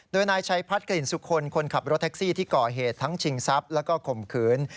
โดยนายชัยพัฒน์กลิ่นสุคลคนขับรถแท็กซี่ที่ก่อเหตุทั้งชิงทรัพย์แล้วก็ข่มขืน